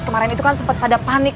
kemaren itu kan sempet pada panik